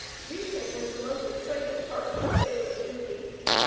] Reefing is the most exciting part of a sailor's duty.